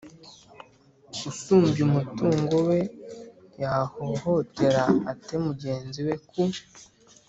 Usumbya umutungo we yahohotera ate mugenzi we ku